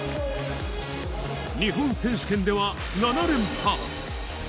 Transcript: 日本選手権では７連覇。